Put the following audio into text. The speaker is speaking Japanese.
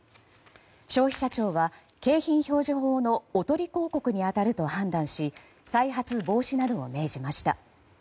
消費者庁は景品表示法のおとり広告に当たると判断し再発防止などを命じました。